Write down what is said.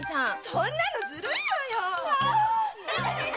そんなのずるいわよ！